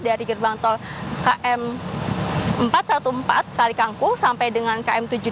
dari gerbang tol km empat ratus empat belas kali kangkung sampai dengan km tujuh puluh delapan